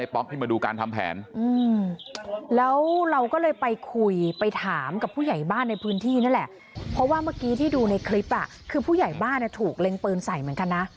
เพราะว่าเมื่อกี้ที่ดูในคลิปคือผู้ใหญ่บ้านถูกเล็งปืนใส่เหมือนกันนะ